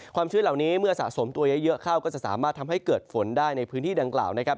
ชื้นเหล่านี้เมื่อสะสมตัวเยอะเข้าก็จะสามารถทำให้เกิดฝนได้ในพื้นที่ดังกล่าวนะครับ